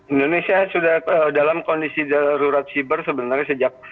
indonesia sudah dalam kondisi darurat siber sebenarnya sejak